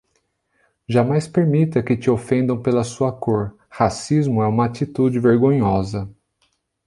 Jamais permita que te ofendam pela sua cor, racismo é uma atitude vergonhosa